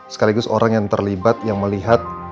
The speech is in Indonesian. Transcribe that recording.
sekaligus orang yang terlibat yang melihat